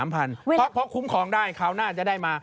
เพราะคุ้มครองได้คราวหน้าจะได้มา